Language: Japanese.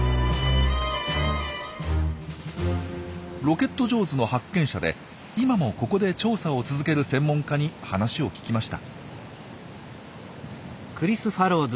ロケット・ジョーズの発見者で今もここで調査を続ける専門家に話を聞きました。